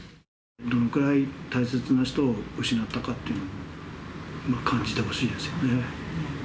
どれぐらい大切な人を失ったかっていうのを感じてほしいですよね。